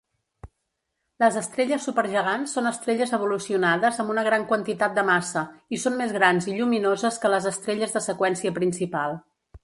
Les estrelles supergegants són estrelles evolucionades amb una gran quantitat de massa, i són més grans i lluminoses que les estrelles de seqüència principal.